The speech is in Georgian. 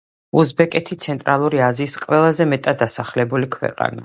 უზბეკეთი ცენტრალური აზიის ყველაზე მეტად დასახლებული ქვეყანაა.